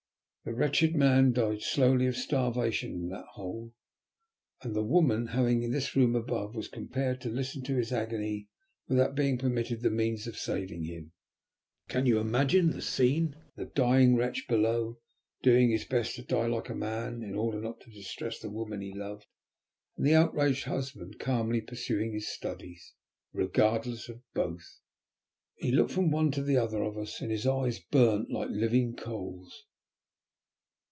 "The wretched man died slowly of starvation in that hole, and the woman, living in this room above, was compelled to listen to his agony without being permitted the means of saving him. Can you imagine the scene? The dying wretch below, doing his best to die like a man in order not to distress the woman he loved, and the outraged husband calmly pursuing his studies, regardless of both." He looked from one to the other of us and his eyes burnt like living coals.